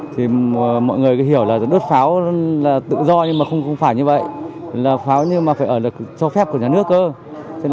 thì mọi người hiểu là đốt pháo là tự do nhưng mà không phải như vậy là pháo nhưng mà phải ở lực cho phép của nhà nước cơ